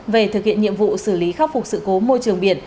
về thực hiện nhiệm vụ xử lý khắc phục sự cố môi trường biển